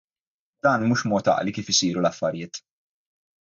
Dan mhux mod għaqli kif isiru l-affarijiet.